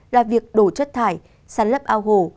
là việc đổ chất thải sản lấp ao hồ